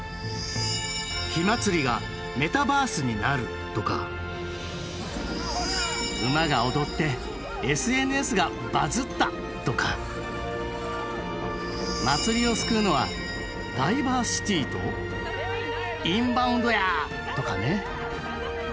「火まつりがメタバースになる」とか「馬が踊ってＳＮＳがバズった！」とか「祭りを救うのはダイバーシティとインバウンドや」とかね。